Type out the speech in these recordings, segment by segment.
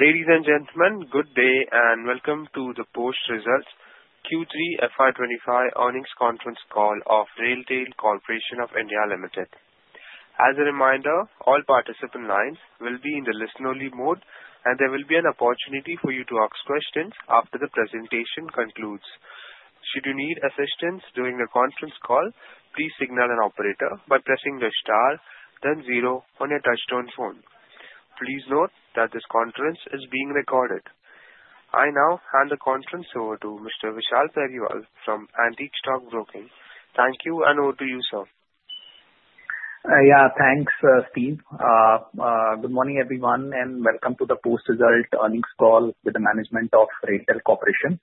Ladies and gentlemen, good day and welcome to the post-results Q3 FY 2025 earnings conference call of RailTel Corporation of India Limited. As a reminder, all participant lines will be in the listen-only mode, and there will be an opportunity for you to ask questions after the presentation concludes. Should you need assistance during the conference call, please signal an operator by pressing the star, then zero on your touch-tone phone. Please note that this conference is being recorded. I now hand the conference over to Mr. Vishal Periwal from Antique Stock Broking. Thank you, and over to you, sir. Yeah, thanks, Steve. Good morning, everyone, and welcome to the post-result earnings call with the management of RailTel Corporation.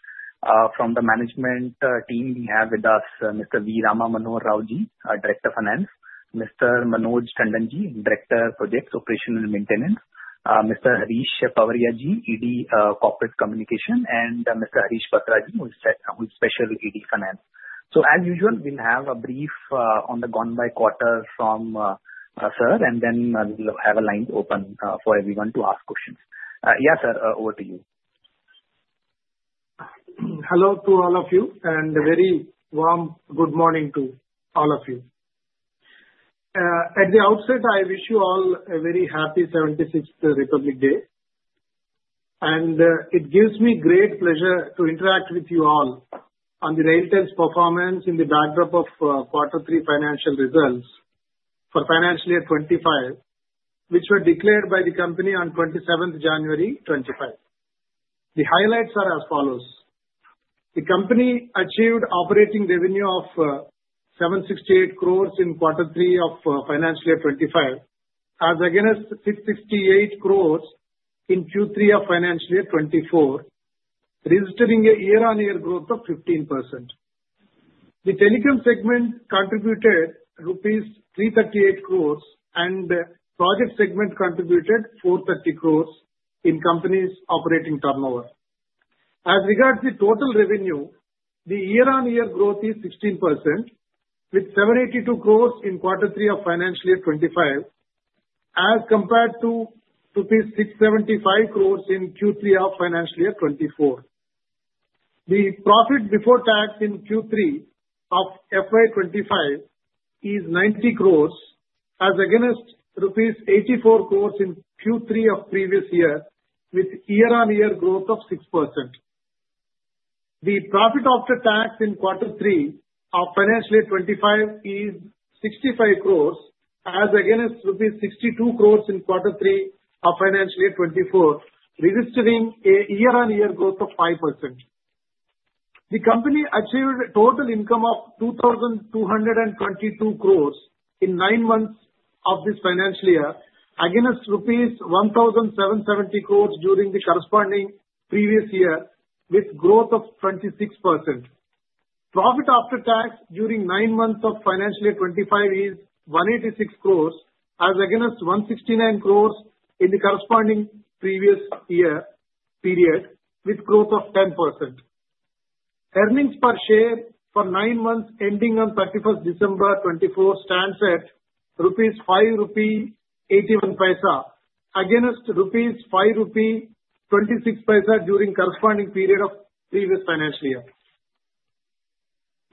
From the management team, we have with us Mr. V. Rama Manohara Rao ji, Director of Finance, Mr. Manoj Tandon ji, Director of Projects Operation and Maintenance, Mr. Harish Pawaria ji, ED Corporate Communication, and Mr. Harish Bhatia ji, who is Special ED Finance. So, as usual, we'll have a brief on the gone-by quarter from sir, and then we'll have a line open for everyone to ask questions. Yes, sir, over to you. Hello to all of you, and a very warm good morning to all of you. At the outset, I wish you all a very happy 76th Republic Day. It gives me great pleasure to interact with you all on the RailTel's performance in the backdrop of Q3 financial results for Financial Year 2025, which were declared by the company on 27th January 2025. The highlights are as follows: the company achieved operating revenue of 768 crores in Q3 of Financial Year 2025, as against 668 crores in Q3 of Financial Year 2024, registering a year-on-year growth of 15%. The telecom segment contributed rupees 338 crores, and the project segment contributed 430 crores in the company's operating turnover. As regards the total revenue, the year-on-year growth is 16%, with 782 crores rupees in Q3 of Financial Year 2025, as compared to rupees 675 crores in Q3 of Financial Year 2024. The profit before tax in Q3 of FY 2025 is 90 crores, as against rupees 84 crores in Q3 of previous year, with year-on-year growth of 6%. The profit after tax in Q3 of Financial Year 2025 is 65 crores, as against rupees 62 crores in Q3 of Financial Year 2024, registering a year-on-year growth of 5%. The company achieved a total income of 2,222 crores in nine months of this financial year, against rupees 1,770 crores during the corresponding previous year, with growth of 26%. Profit after tax during nine months of Financial Year 2025 is 186 crores, as against 169 crores in the corresponding previous year period, with growth of 10%. Earnings per share for nine months ending on 31st December 2024 stands at 5.81 rupee, against 5.26 rupee during the corresponding period of the previous financial year.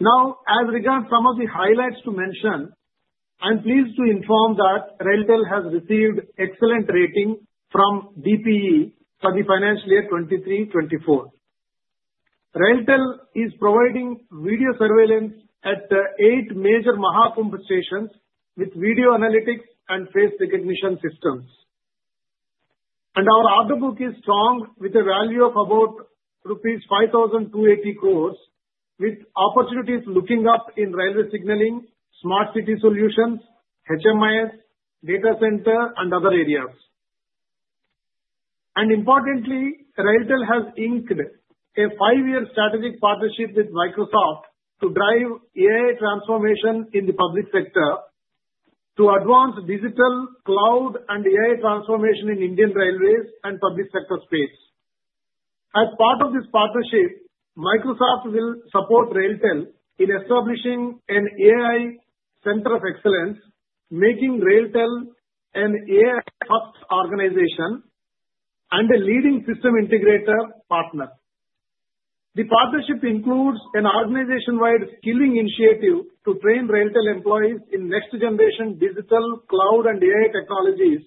Now, as regards to some of the highlights to mention, I'm pleased to inform that RailTel has received excellent ratings from DPE for the Financial Year 2023-24. RailTel is providing video surveillance at eight major Mahakumbh stations, with video analytics and face recognition systems. Our order book is strong, with a value of about rupees 5,280 crores, with opportunities looking up in railway signaling, smart city solutions, HMIS, data center, and other areas. Importantly, RailTel has inked a five-year strategic partnership with Microsoft to drive AI transformation in the public sector, to advance digital cloud and AI transformation in Indian Railways and public sector space. As part of this partnership, Microsoft will support RailTel in establishing an AI Center of Excellence, making RailTel an AI-first organization and a leading system integrator partner. The partnership includes an organization-wide skilling initiative to train RailTel employees in next-generation digital cloud and AI technologies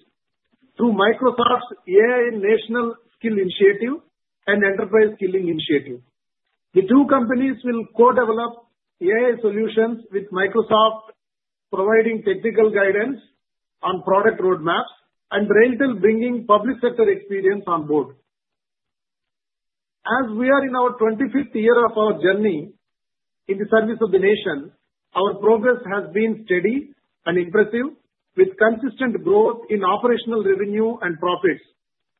through Microsoft's AI National Skill Initiative and Enterprise Skilling Initiative. The two companies will co-develop AI solutions, with Microsoft providing technical guidance on product roadmaps and RailTel bringing public sector experience on board. As we are in our 25th year of our journey in the service of the nation, our progress has been steady and impressive, with consistent growth in operational revenue and profits,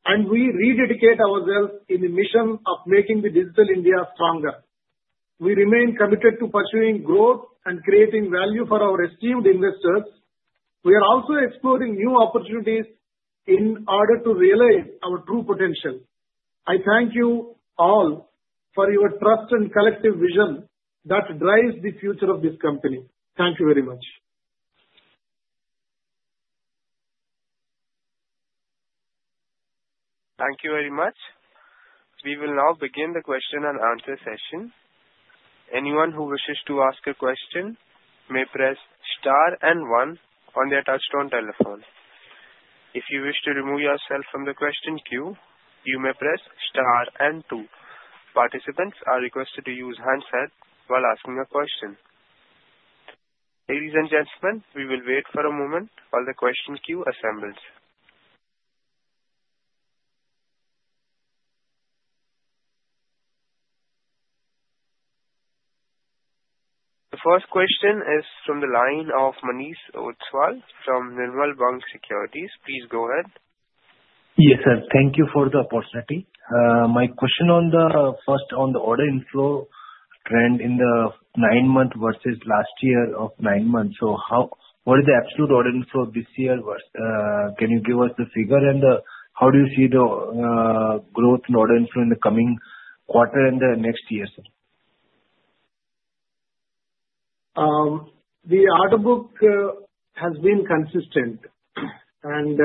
and we rededicate ourselves in the mission of making Digital India stronger. We remain committed to pursuing growth and creating value for our esteemed investors. We are also exploring new opportunities in order to realize our true potential. I thank you all for your trust and collective vision that drives the future of this company. Thank you very much. Thank you very much. We will now begin the question-and-answer session. Anyone who wishes to ask a question may press star and one on their touch-tone telephone. If you wish to remove yourself from the question queue, you may press star and two. Participants are requested to use handsets while asking a question. Ladies and gentlemen, we will wait for a moment while the question queue assembles. The first question is from the line of Manish Ostwal from Nirmal Bang Securities. Please go ahead. Yes, sir. Thank you for the opportunity. My first question on the order inflow trend in the nine months versus last year of nine months. So what is the absolute order inflow this year? Can you give us the figure, and how do you see the growth in order inflow in the coming quarter and the next year, sir? The order book has been consistent, and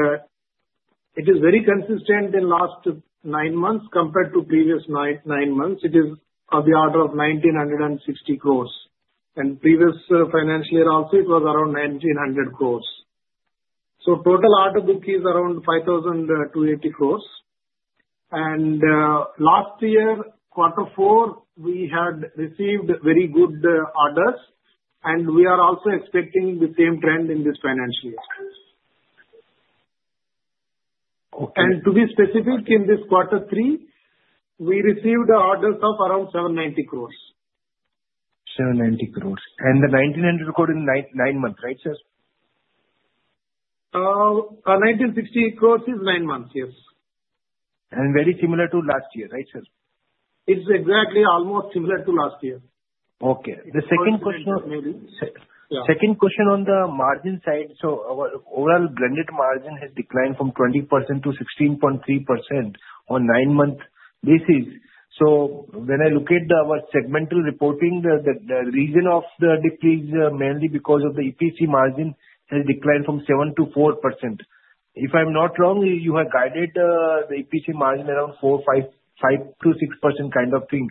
it is very consistent in the last nine months compared to the previous nine months. It is on the order of 1,960 crores. And previous financial year also, it was around 1,900 crores. So total order book is around 5,280 crores. And last year, Q4, we had received very good orders, and we are also expecting the same trend in this financial year. And to be specific, in this Q3, we received orders of around 790 crores. 790 crores and the 1,900 crores in nine months, right, sir? 1,960 crores is nine months, yes. Very similar to last year, right, sir? It's exactly almost similar to last year. Okay. The second question. Maybe. Second question on the margin side. So overall blended margin has declined from 20%-16.3% on nine-month basis. So when I look at our segmental reporting, the reason of the decrease is mainly because of the EPC margin has declined from 7%-4%. If I'm not wrong, you have guided the EPC margin around 4%, 5%-6% kind of thing.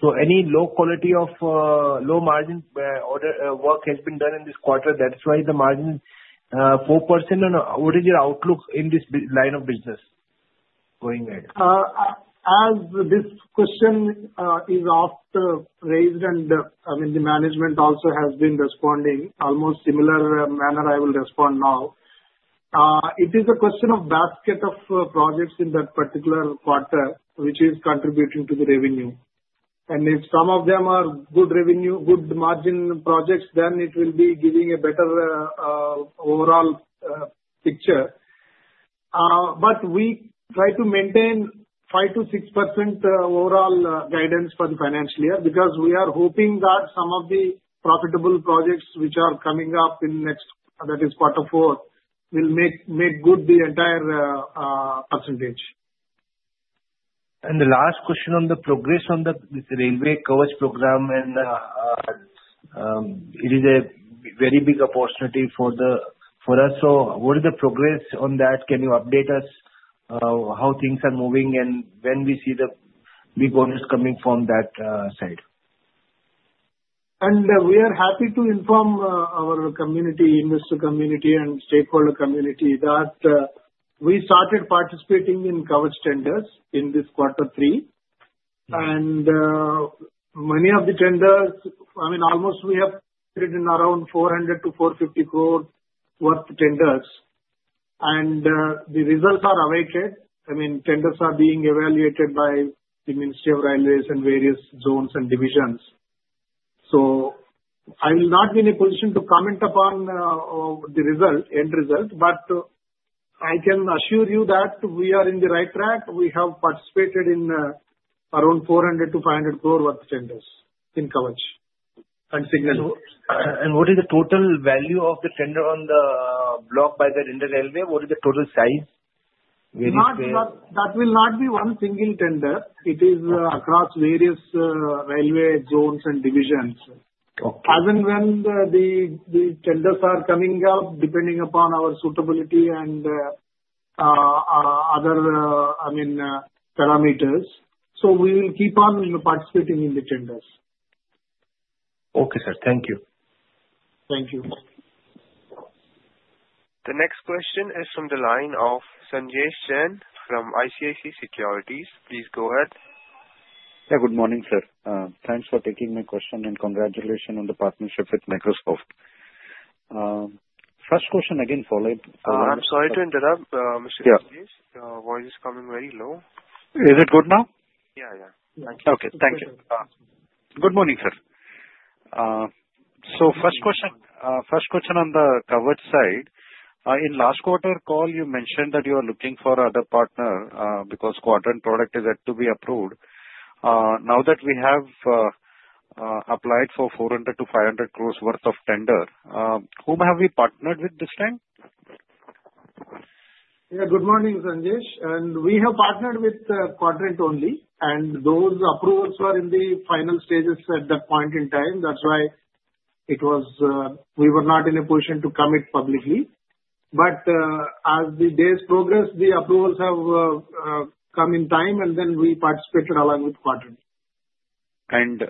So any low quality of low margin work has been done in this quarter. That's why the margin is 4%. And what is your outlook in this line of business going ahead? As this question is often raised, and I mean, the management also has been responding almost in a similar manner, I will respond now. It is a question of the basket of projects in that particular quarter, which is contributing to the revenue, and if some of them are good revenue, good margin projects, then it will be giving a better overall picture, but we try to maintain 5%-6% overall guidance for the financial year because we are hoping that some of the profitable projects which are coming up in next, that is, Q4, will make good the entire percentage. And the last question on the progress on the railway Kavach program, and it is a very big opportunity for us. So what is the progress on that? Can you update us how things are moving, and when we see the big orders coming from that side? And we are happy to inform our community, industry community, and stakeholder community that we started participating in Kavach tenders in this Q3. And many of the tenders, I mean, almost we have written around 400 crores to 450 crores' worth of tenders. And the results are awaited. I mean, tenders are being evaluated by the Ministry of Railways and various zones and divisions. So I will not be in a position to comment upon the result, end result, but I can assure you that we are in the right track. We have participated in around 400 crores to 500 crores' worth of tenders in Kavach and signaling. What is the total value of the tender on the block by the railway? What is the total size? That will not be one single tender. It is across various railway zones and divisions. As and when the tenders are coming up, depending upon our suitability and other, I mean, parameters, so we will keep on participating in the tenders. Okay, sir. Thank you. Thank you. The next question is from the line of Sanjesh Jain from ICICI Securities. Please go ahead. Yeah, good morning, sir. Thanks for taking my question and congratulations on the partnership with Microsoft. First question again following. I'm sorry to interrupt, Mr. Sanjesh. Voice is coming very low. Is it good now? Yeah, yeah. Okay. Thank you. Good morning, sir. So first question on the Kavach side. In the last quarter call, you mentioned that you are looking for another partner because Quadrant product is yet to be approved. Now that we have applied for 400 crores to 500 crores' worth of tender, whom have we partnered with this time? Yeah, good morning, Sanjesh. And we have partnered with Quadrant only. And those approvals were in the final stages at that point in time. That's why we were not in a position to commit publicly. But as the days progress, the approvals have come in time, and then we participated along with Quadrant.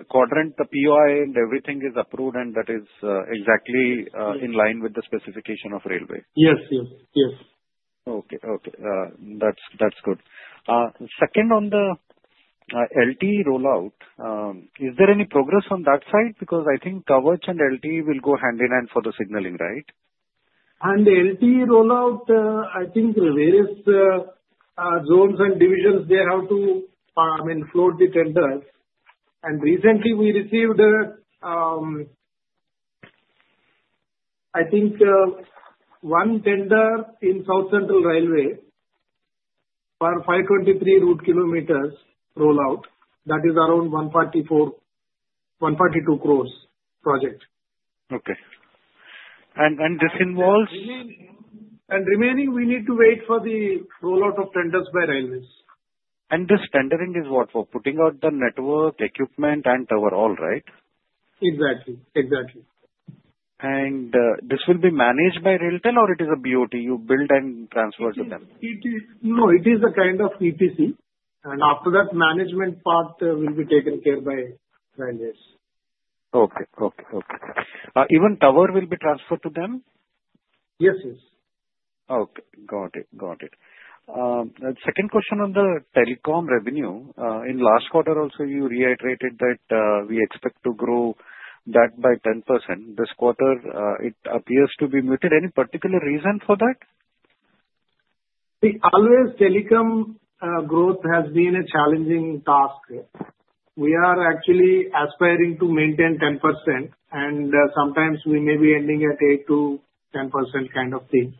Quadrant, the POC and everything is approved, and that is exactly in line with the specification of railway? Yes, yes, yes. Okay, okay. That's good. Second on the LTE rollout, is there any progress on that side? Because I think Kavach and LTE will go hand in hand for the signaling, right? The LTE rollout, I think various zones and divisions, they have to, I mean, float the tenders. Recently, we received, I think, one tender in South Central Railway for 523 route kilometers rollout. That is around 142 crores project. Okay. And this involves. Remaining, we need to wait for the rollout of tenders by railways. And this tendering is what? For putting out the network, equipment, and overall, right? Exactly, exactly. This will be managed by RailTel, or it is a BOT you build and transfer to them? No, it is a kind of EPC, and after that, management part will be taken care of by railways. Okay. Even tower will be transferred to them? Yes, yes. Okay. Got it, got it. Second question on the telecom revenue. In last quarter, also, you reiterated that we expect to grow that by 10%. This quarter, it appears to be muted. Any particular reason for that? Always, telecom growth has been a challenging task. We are actually aspiring to maintain 10%, and sometimes we may be ending at 8%-10% kind of thing.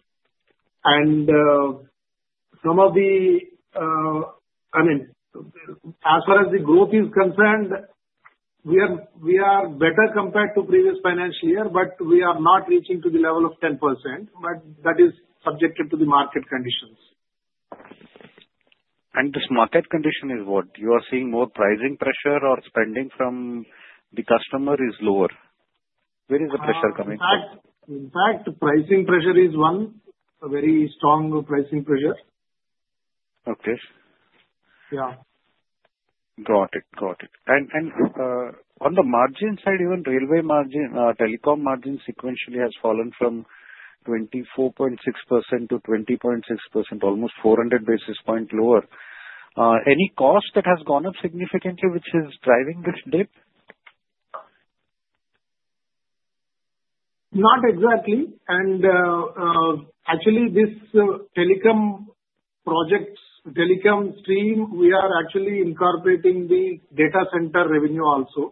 Some of the, I mean, as far as the growth is concerned, we are better compared to the previous financial year, but we are not reaching to the level of 10%. That is subject to the market conditions. And this market condition is what? You are seeing more pricing pressure or spending from the customer is lower? Where is the pressure coming from? In fact, pricing pressure is one, very strong pricing pressure. Okay. Yeah. Got it, got it. And on the margin side, even railway margin, telecom margin sequentially has fallen from 24.6%-20.6%, almost 400 basis points lower. Any cost that has gone up significantly, which is driving this dip? Not exactly. And actually, this telecom projects, telecom stream, we are actually incorporating the data center revenue also.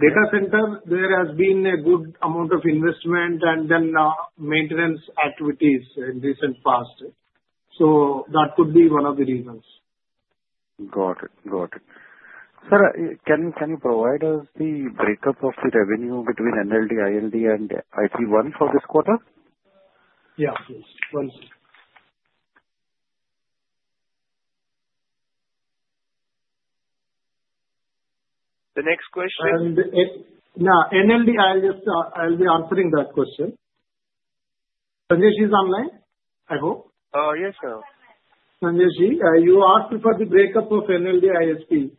Data center, there has been a good amount of investment and then maintenance activities in recent past. So that could be one of the reasons. Got it, got it. Sir, can you provide us the breakup of the revenue between NLD, ILD, and IP-1 for this quarter? Yeah, please. One second. The next question. NLD, I'll be answering that question. Sanjesh, he's online, I hope? Yes, sir. Sanjesh, you asked for the breakup of NLD, ISP.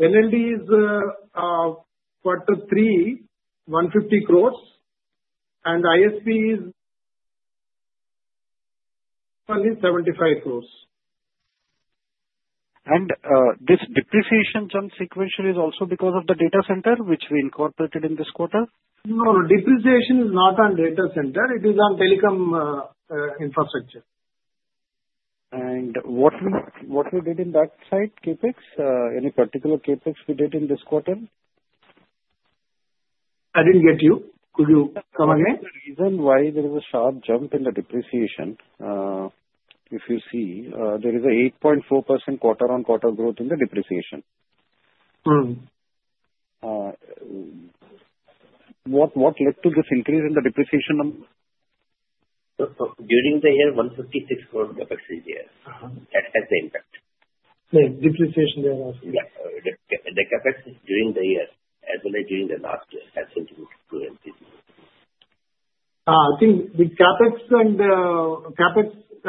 NLD is Q3, 150 crores, and ISP is 75 crores. And this depreciation jump sequentially is also because of the data center, which we incorporated in this quarter? No, depreciation is not on data center. It is on telecom infrastructure. And what we did in that side, CapEx? Any particular CapEx we did in this quarter? I didn't get you. Could you come again? The reason why there is a sharp jump in the depreciation, if you see, there is an 8.4% quarter-on-quarter growth in the depreciation. What led to this increase in the depreciation? During the year, 156 crores of CapEx this year. That has the impact. The depreciation there was? Yeah. The CapEx is during the year, as well as during the last year, has increased too. I think the CapEx, I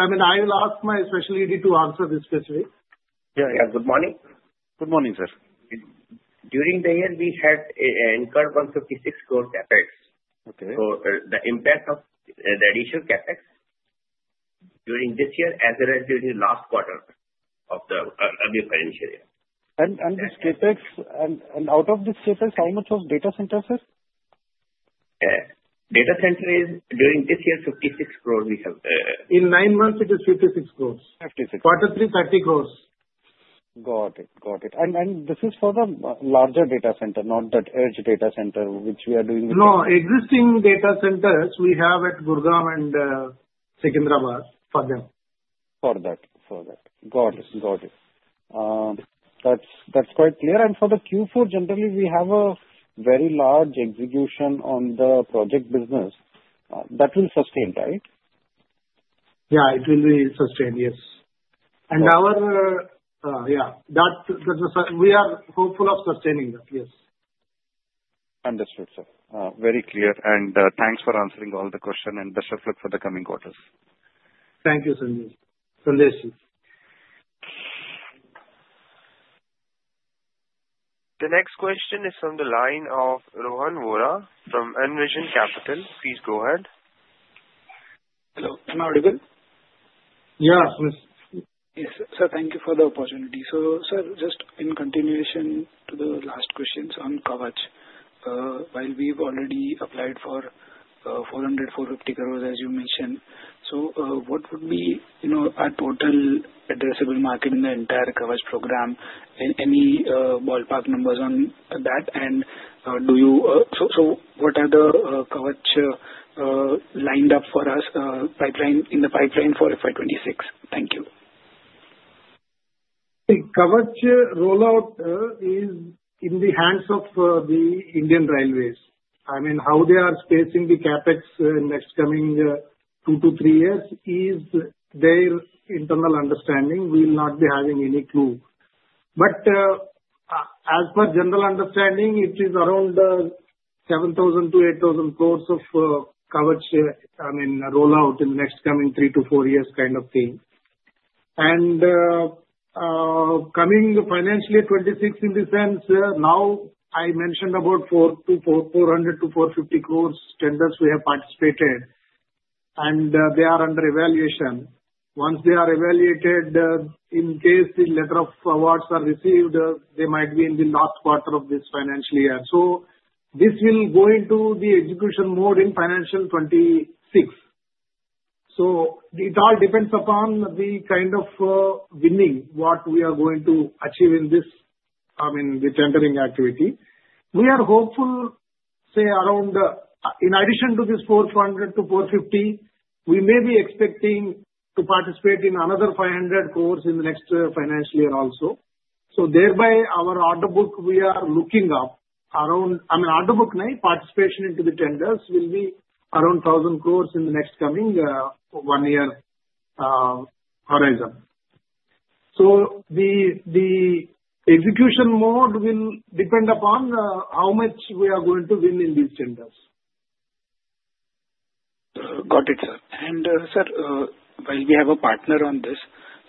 mean, I will ask my specialist to answer this question. Yeah, yeah. Good morning. Good morning, sir. During the year, we had incurred 156 crores CapEx. So the impact of the additional CapEx during this year, as well as during the last quarter of the financial year. This CapEx, and out of this CapEx, how much was data center, sir? Data Center is during this year, 56 crores we have. In nine months, it is 56 crores. 56 crores. Q3, 30 crores. Got it, got it. And this is for the larger data center, not that edge data center, which we are doing with. No, existing data centers we have at Gurgaon and Secunderabad for them. For that. Got it. That's quite clear, and for the Q4, generally, we have a very large execution on the project business. That will sustain, right? Yeah, it will be sustained, yes. And our, yeah, we are hopeful of sustaining that, yes. Understood, sir. Very clear. And thanks for answering all the questions, and best of luck for the coming quarters. Thank you, Sanjesh. The next question is from the line of Rohan Vora from Envision Capital. Please go ahead. Hello. Am I audible? Yeah, please. Yes, sir. Thank you for the opportunity. So, sir, just in continuation to the last questions on Kavach, while we've already applied for 400 crores-450 crores, as you mentioned, so what would be our total addressable market in the entire Kavach program? Any ballpark numbers on that? And so what are the Kavach lined up for us in the pipeline for FY 2026? Thank you. The Kavach rollout is in the hands of the Indian Railways. I mean, how they are spacing the CapEx in the next coming two to three years is their internal understanding. We will not be having any clue, but as per general understanding, it is around 7,000 to 8,000 crores of Kavach, I mean, rollout in the next coming three to four years kind of thing, and coming financially, 2026 in the sense, now I mentioned about 400 crores-450 crores tenders we have participated, and they are under evaluation. Once they are evaluated, in case the letter of awards are received, they might be in the last quarter of this financial year, so this will go into the execution mode in financial 2026, so it all depends upon the kind of winning, what we are going to achieve in this, I mean, the tendering activity. We are hopeful. Say, around in addition to this 400-450, we may be expecting to participate in another 500 crores in the next financial year also. So thereby, our order book, we are looking up around. I mean, order book might, participation into the tenders will be around 1,000 crores in the next coming one-year horizon. So the execution mode will depend upon how much we are going to win in these tenders. Got it, sir. And, sir, while we have a partner on this,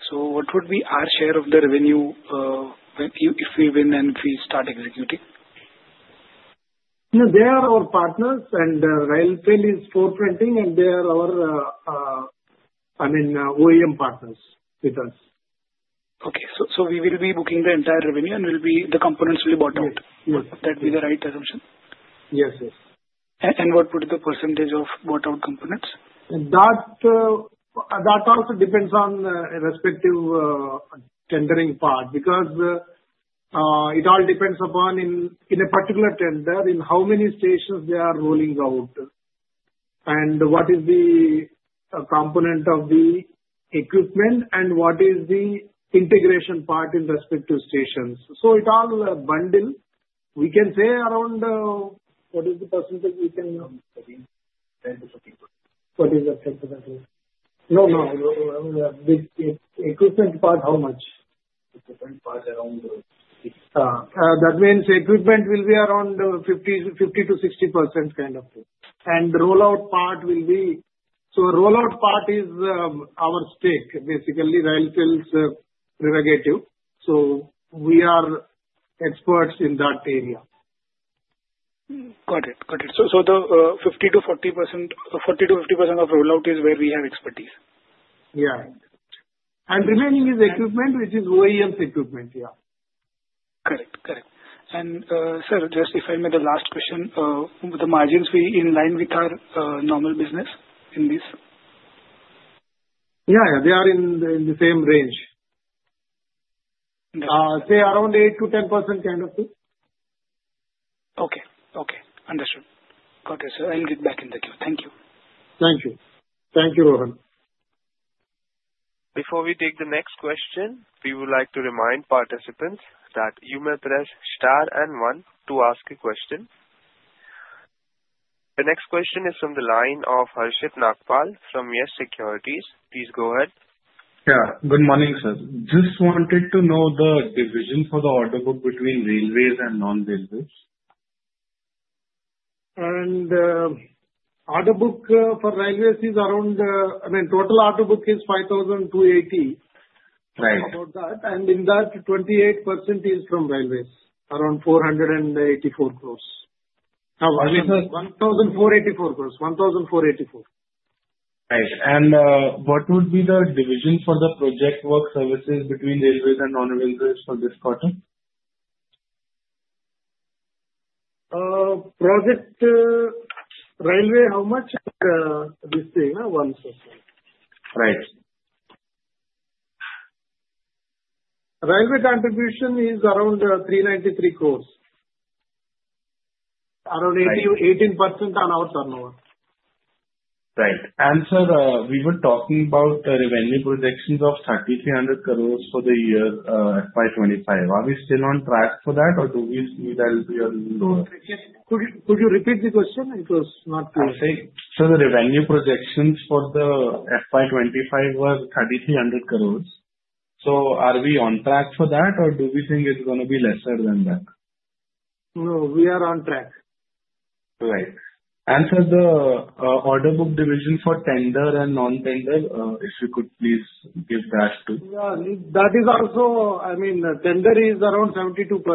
so what would be our share of the revenue if we win and if we start executing? They are our partners, and RailTel is forefronting, and they are our, I mean, OEM partners with us. Okay. So we will be booking the entire revenue, and the components will be bought out. Would that be the right assumption? Yes, yes. What would be the percentage of bought-out components? That also depends on the respective tendering part because it all depends upon, in a particular tender, in how many stations they are rolling out, and what is the component of the equipment, and what is the integration part in respect to stations. So it all bundle. We can say around what is the percentage we can What is the percentage? No, no. Equipment part, how much? Equipment part around 60%. That means equipment will be around 50%-60% kind of thing, and the rollout part will be, so the rollout part is our stake, basically, RailTel's prerogative, so we are experts in that area. Got it, got it. So the 50%-40%, so 40%-50% of rollout is where we have expertise? Yeah. And remaining is equipment, which is OEM's equipment, yeah. Correct, correct. And, sir, just if I may, the last question, the margins in line with our normal business in this? Yeah, yeah. They are in the same range. Say around 8%-10% kind of thing. Okay, okay. Understood. Got it, sir. I'll get back in the queue. Thank you. Thank you. Thank you, Rohan. Before we take the next question, we would like to remind participants that you may press star and one to ask a question. The next question is from the line of Harshit Nagpal from Yes Securities. Please go ahead. Yeah. Good morning, sir. Just wanted to know the division for the order book between railways and non-railways? Order book for Railways is around, I mean, total order book is 5,280. Right. About that. And in that, 28% is from Railways, around 484 crores. How much? 1,484 crores. Right. And what would be the division for the project work services between railways and non-railways for this quarter? Project railway, how much? This thing, 1%. Right. Railway contribution is around 393 crores. Around 80%? 18% on our turnover. Right. And, sir, we were talking about revenue projections of 3,300 crores for the year FY 2025. Are we still on track for that, or do we think that will be a little lower? Could you repeat the question? It was not clear. I think, sir, the revenue projections for the FY 2025 were 3,300 crores. So are we on track for that, or do we think it's going to be lesser than that? No, we are on track. Right, and sir, the order book division for tender and non-tender, if you could please give that too. Yeah. That is also, I mean, tender is around 72%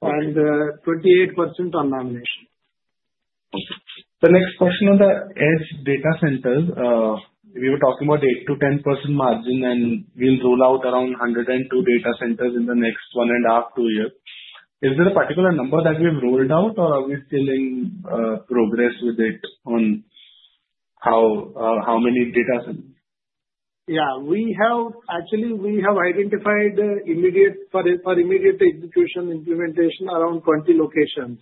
and 28% on nomination. Okay. The next question on the edge data centers, we were talking about 8%-10% margin, and we'll roll out around 102 data centers in the next one and a half to two years. Is there a particular number that we've rolled out, or are we still in progress with it on how many data centers? Yeah. Actually, we have identified for immediate execution implementation around 20 locations.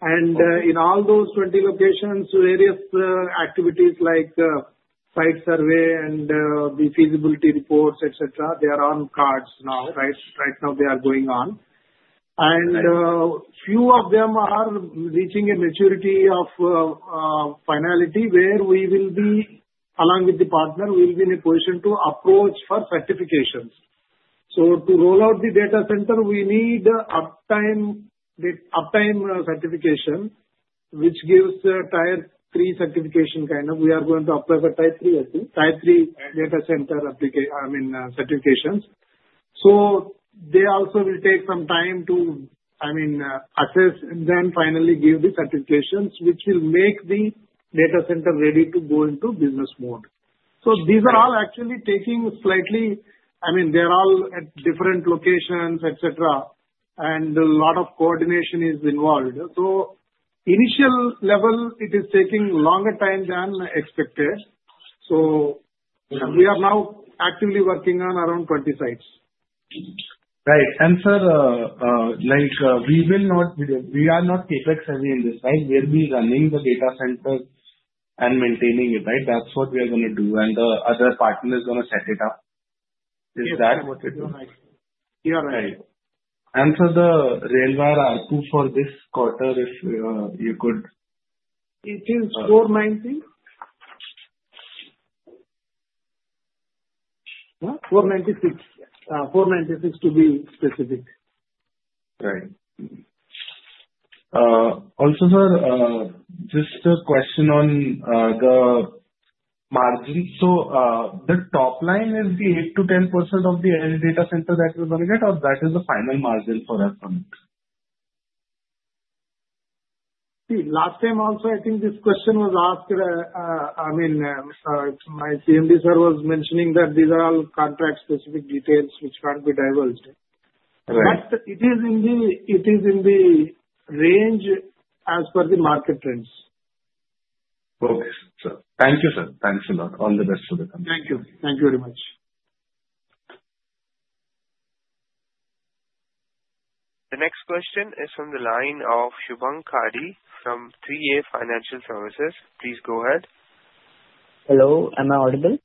And in all those 20 locations, various activities like site survey and the feasibility reports, etc., they are on cards now. Right now, they are going on. And few of them are reaching a maturity of finality where we will be, along with the partner, we will be in a position to approach for certifications. So to roll out the data center, we need Uptime certification, which gives Tier III certification kind of. We are going to apply for Tier III data center, I mean, certifications. So they also will take some time to, I mean, assess and then finally give the certifications, which will make the data center ready to go into business mode. So these are all actually taking slightly, I mean, they are all at different locations, etc., and a lot of coordination is involved. So initial level, it is taking longer time than expected. So we are now actively working on around 20 sites. Right. And, sir, we are not CapEx heavy in this, right? We'll be running the data center and maintaining it, right? That's what we are going to do. And the other partner is going to set it up. Is that what you're doing? You're right. For the railway revenue for this quarter, if you could. It is 490.496 to be specific. Right. Also, sir, just a question on the margin. So the top line is the 8%-10% of the edge data center that we're going to get, or that is the final margin for us? Last time also, I think this question was asked, I mean, my CMD sir was mentioning that these are all contract-specific details which can't be divulged. But it is in the range as per the market trends. Okay, sir. Thank you, sir. Thanks a lot. All the best for the company. Thank you. Thank you very much. The next question is from the line of Shubham Kadhi from 3A Financial Services. Please go ahead. Hello. Am I audible?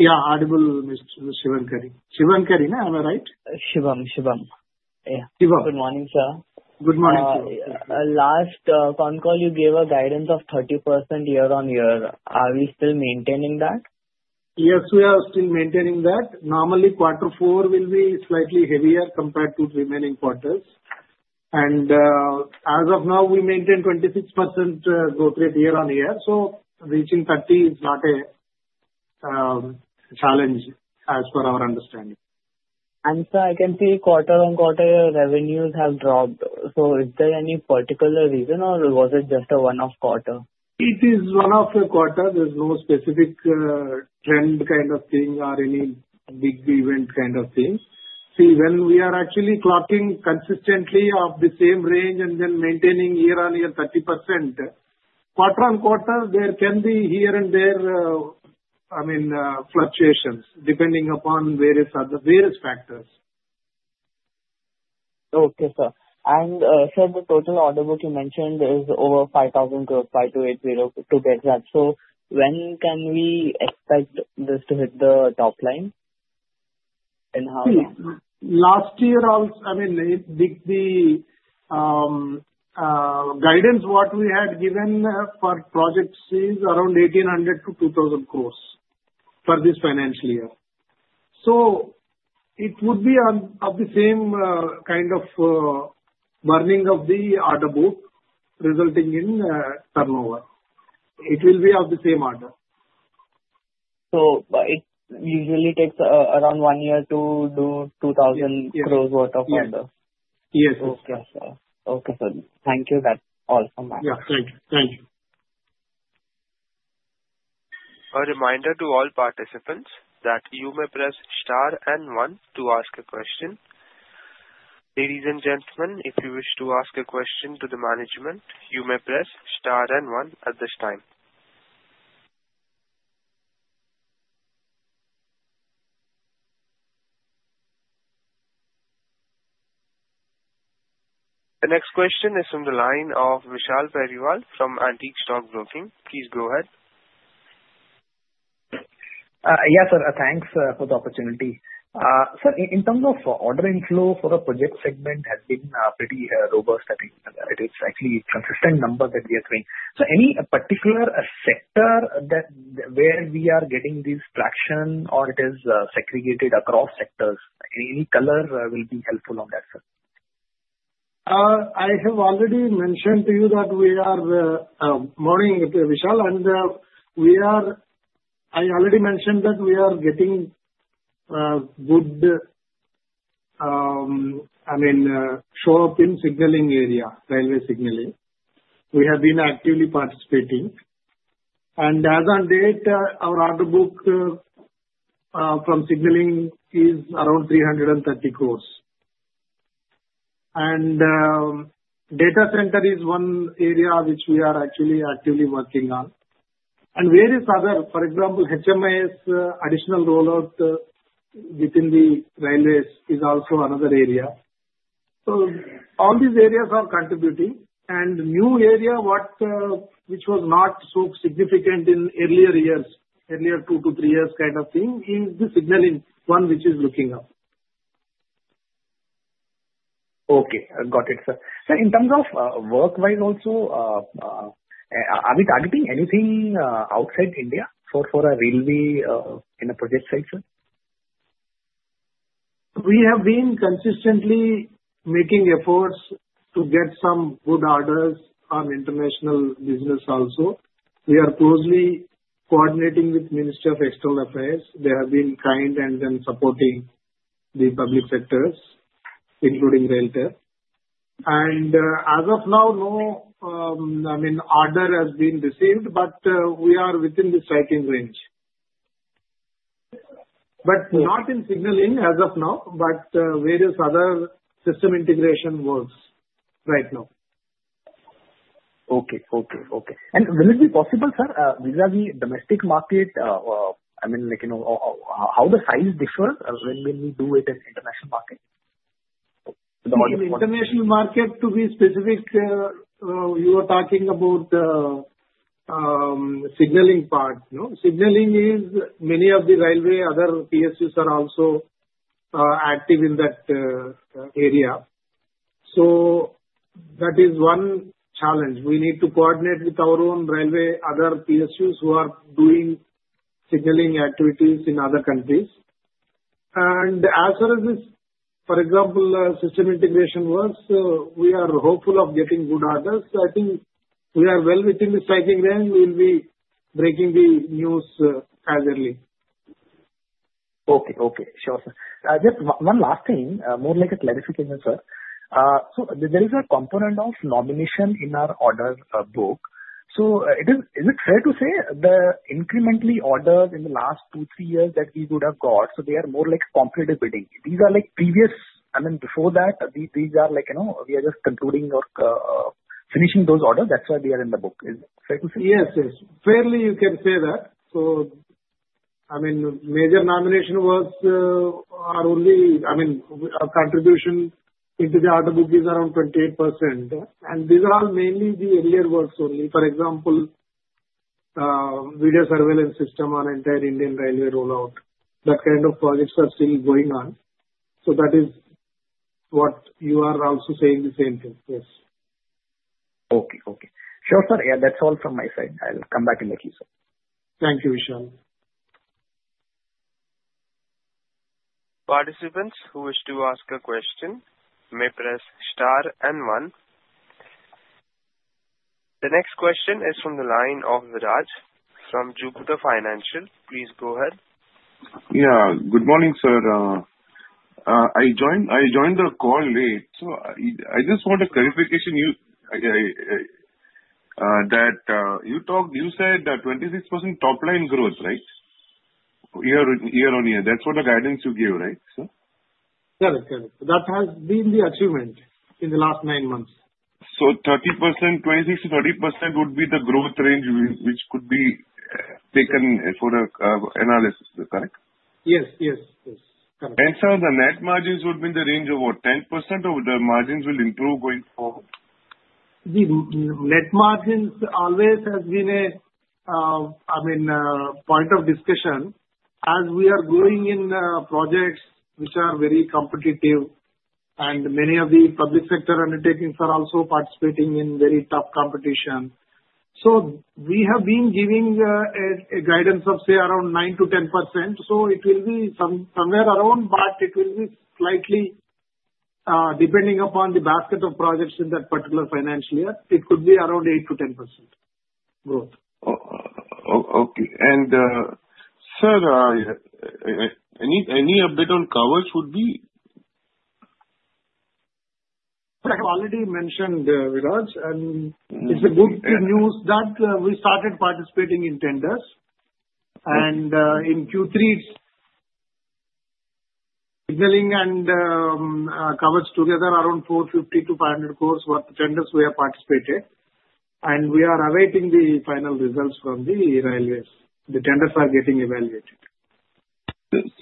Yeah, audible, Mr. Shubham Kadhi. Shubham Kadhi, am I right? Shubham. Shubham. Yeah. Shubham. Good morning, sir. Good morning, sir. Last phone call, you gave a guidance of 30% year-on-year. Are we still maintaining that? Yes, we are still maintaining that. Normally, quarter four will be slightly heavier compared to remaining quarters. And as of now, we maintain 26% growth rate year-on-year. So reaching 30 is not a challenge as per our understanding. Sir, I can see quarter on quarter revenues have dropped. Is there any particular reason, or was it just a one-off quarter? It is one-off quarter. There's no specific trend kind of thing or any big event kind of thing. See, when we are actually clocking consistently of the same range and then maintaining year on year 30%, quarter-on-quarter, there can be here and there, I mean, fluctuations depending upon various factors. Okay, sir. And, sir, the total order book you mentioned is over 5,000 crores, 5,280 to be exact. So when can we expect this to hit the top line? And how long? Last year, I mean, the guidance what we had given for projects is around 1,800 crores-2,000 crores for this financial year. So it would be of the same kind of burning of the order book resulting in turnover. It will be of the same order. So it usually takes around one year to do 2,000 crores worth of order? Yes. Yes, yes, yes. Okay, sir. Okay, sir. Thank you. That's all from my side. Yeah. Thank you. Thank you. A reminder to all participants that you may press star and one to ask a question. Ladies and gentlemen, if you wish to ask a question to the management, you may press star and one at this time. The next question is from the line of Vishal Periwal from Antique Stock Broking. Please go ahead. Yes, sir. Thanks for the opportunity. Sir, in terms of order inflow for a project segment has been pretty robust. It is actually a consistent number that we are seeing. So any particular sector where we are getting this traction, or it is segregated across sectors? Any color will be helpful on that, sir? I have already mentioned to you that we are moving, Vishal. And I already mentioned that we are getting good, I mean, show up in signaling area, railway signaling. We have been actively participating. And as of date, our order book from signaling is around 330 crores. And data center is one area which we are actually actively working on. And various other, for example, HMIS additional rollout within the railways is also another area. So all these areas are contributing. And new area, which was not so significant in earlier years, earlier two to three years kind of thing, is the signaling one which is looking up. Okay. Got it, sir. Sir, in terms of work-wise also, are we targeting anything outside India for a railway in a project site, sir? We have been consistently making efforts to get some good orders on international business also. We are closely coordinating with the Ministry of External Affairs. They have been kind and then supporting the public sectors, including RailTel. And as of now, no, I mean, order has been received, but we are within the striking range. But not in signaling as of now, but various other system integration works right now. And will it be possible, sir, with the domestic market? I mean, how the size differs when we do it in international market? In international market, to be specific, you are talking about the signaling part. Signaling is many of the railway other PSUs are also active in that area, so that is one challenge. We need to coordinate with our own railway other PSUs who are doing signaling activities in other countries, and as far as this, for example, system integration works, we are hopeful of getting good orders. I think we are well within the striking range. We'll be breaking the news as early. Okay, okay. Sure, sir. Just one last thing, more like a clarification, sir. So there is a component of nomination in our order book. So is it fair to say the incremental orders in the last two, three years that we would have got, so they are more like competitive bidding? These are like previous I mean, before that, these are like we are just concluding or finishing those orders. That's why they are in the book. Is it fair to say? Yes, yes. Fairly, you can say that. So I mean, major nomination works are only I mean, our contribution into the order book is around 28%. And these are all mainly the earlier works only. For example, video surveillance system on entire Indian Railways rollout. That kind of projects are still going on. So that is what you are also saying the same thing. Yes. Okay, okay. Sure, sir. That's all from my side. I'll come back and let you know. Thank you, Vishal. Participants who wish to ask a question may press star and one. The next question is from the line of Viraj from Jupiter Financial. Please go ahead. Yeah. Good morning, sir. I joined the call late. So I just want a clarification. You said 26% top line growth, right? Year-on-year. That's what the guidance you gave, right, sir? Correct, correct. That has been the achievement in the last nine months. So 26%-30% would be the growth range which could be taken for analysis, correct? Yes, yes, yes. Correct. Sir, the net margins would be in the range of what? 10% or the margins will improve going forward? The net margins always has been a, I mean, point of discussion. As we are growing in projects which are very competitive, and many of the public sector undertakings are also participating in very tough competition. So we have been giving a guidance of, say, around 9%-10%. So it will be somewhere around, but it will be slightly depending upon the basket of projects in that particular financial year. It could be around 8-10% growth. Okay. And, sir, any update on Kavach would be? I have already mentioned, Viraj. It's good news that we started participating in tenders. In Q3, signaling and Kavach together around 450 crore-500 crore worth of tenders we have participated. We are awaiting the final results from the railways. The tenders are getting evaluated.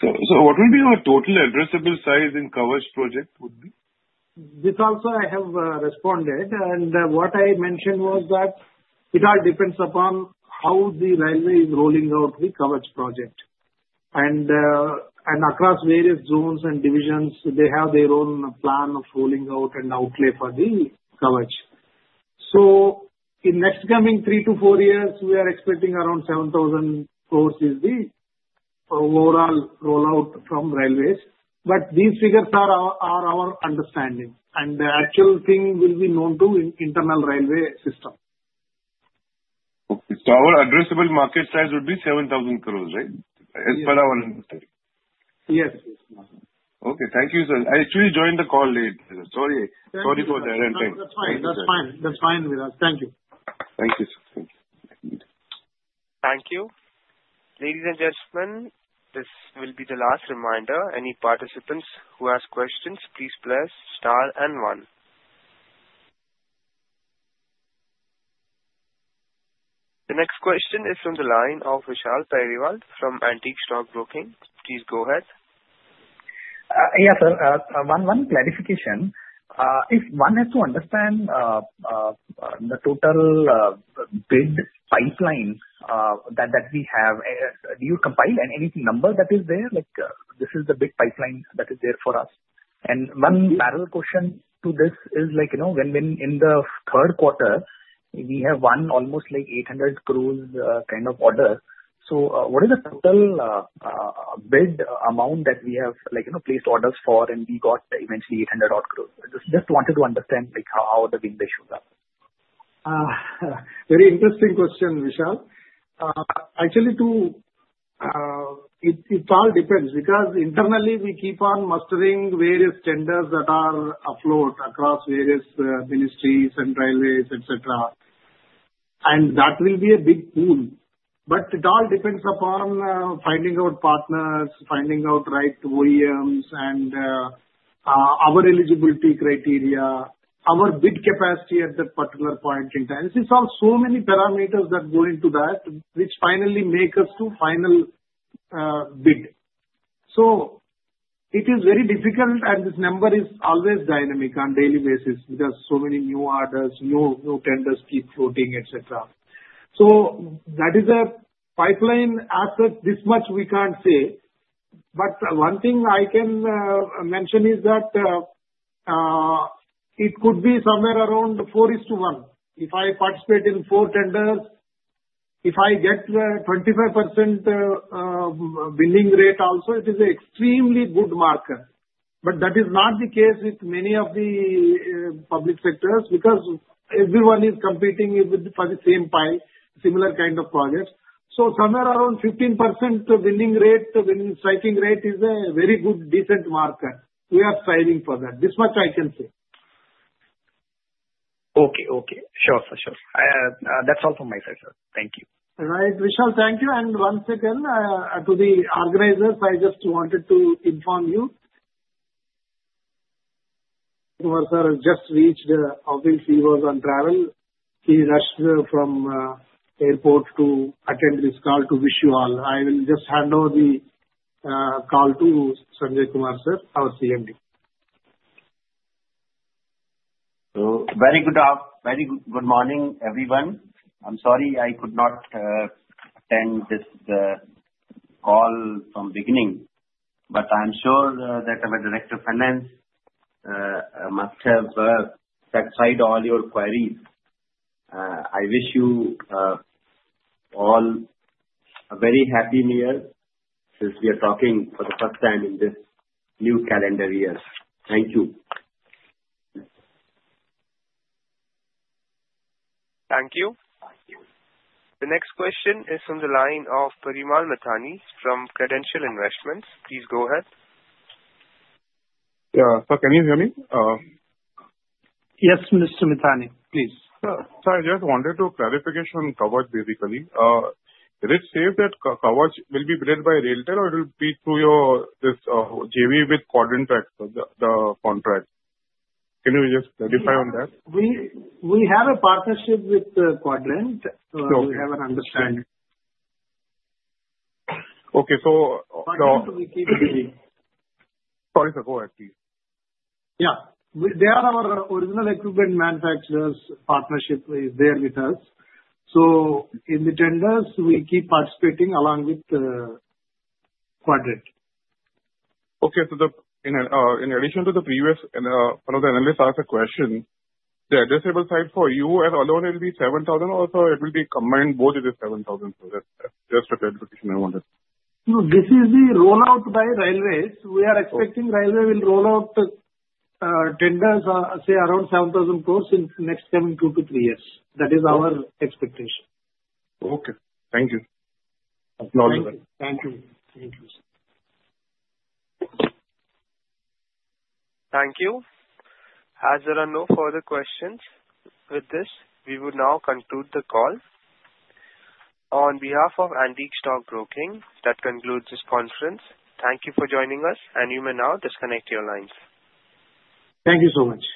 So what would be your total addressable size in Kavach project? This also, I have responded. And what I mentioned was that it all depends upon how the railway is rolling out the Kavach project. And across various zones and divisions, they have their own plan of rolling out and outlay for the Kavach. So in next coming three to four years, we are expecting around 7,000 crores is the overall rollout from railways. But these figures are our understanding. And the actual thing will be known to internal railway system. Okay, so our addressable market size would be 7,000 crores, right? As per our understanding. Yes, yes. Okay. Thank you, sir. I actually joined the call late. Sorry for the interruption. That's fine. That's fine. That's fine, Viraj. Thank you. Thank you, sir. Thank you. Thank you. Ladies and gentlemen, this will be the last reminder. Any participants who ask questions, please press star and one. The next question is from the line of Vishal Periwal from Antique Stock Broking. Please go ahead. Yes, sir. One clarification. If one has to understand the total bid pipeline that we have, do you compile any number that is there? This is the big pipeline that is there for us. And one parallel question to this is when in the third quarter, we have won almost 800 crores kind of orders. So what is the total bid amount that we have placed orders for, and we got eventually 800 crores? Just wanted to understand how the bid ratios are. Very interesting question, Vishal. Actually, it all depends. Because internally, we keep on mustering various tenders that are afloat across various ministries and railways, etc. And that will be a big pool. But it all depends upon finding out partners, finding out right OEMs, and our eligibility criteria, our bid capacity at that particular point in time. It's all so many parameters that go into that, which finally make us to final bid. So it is very difficult, and this number is always dynamic on a daily basis because so many new orders, new tenders keep floating, etc. So that is a pipeline asset. This much we can't say. But one thing I can mention is that it could be somewhere around 4:1. If I participate in four tenders, if I get 25% winning rate also, it is an extremely good marker. But that is not the case with many of the public sectors because everyone is competing for the same pie, similar kind of projects. So somewhere around 15% winning rate, winning strike rate is a very good, decent marker. We are striving for that. This much I can say. Okay, okay. Sure, sir. Sure. That's all from my side, sir. Thank you. Right, Vishal. Thank you, and once again, to the organizers, I just wanted to inform you. Mr. Vishal just reached. Obviously, he was on travel. He rushed from the airport to attend this call to wish you all. I will just hand over the call to Sanjai Kumar, sir, our CMD. So very good morning, everyone. I'm sorry I could not attend this call from the beginning. But I'm sure that our Director of Finance must have satisfied all your queries. I wish you all a very happy New Year since we are talking for the first time in this new calendar year. Thank you. Thank you. The next question is from the line of Parimal Mithani from Credential Investments. Please go ahead. Yeah. Sir, can you hear me? Yes, Mr. Mithani. Please. Sir, I just wanted to clarification on Kavach, basically. Is it safe that Kavach will be bid by RailTel, or it will be through this JV with Quadrant Future Tek, the contract? Can you just clarify on that? We have a partnership with Quadrant. We have an understanding. Okay. So. Quadrant, we keep. Sorry, sir. Go ahead, please. Yeah. They are our original equipment manufacturers. Partnership is there with us. So in the tenders, we keep participating along with Quadrant. Okay. So in addition to the previous, one of the analysts asked a question. The addressable side for you as alone will be 7,000, or it will be combined both with the 7,000? Just a clarification I wanted. No. This is the rollout by railways. We are expecting railway will rollout tenders, say, around 7,000 crores in the next coming two to three years. That is our expectation. Okay. Thank you. Applause is all. Thank you. Thank you, sir. Thank you. As there are no further questions with this, we will now conclude the call. On behalf of Antique Stock Broking, that concludes this conference. Thank you for joining us, and you may now disconnect your lines. Thank you so much.